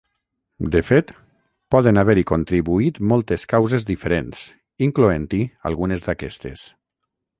De fet, poden haver-hi contribuït moltes causes diferents, incloent-hi algunes d'aquestes.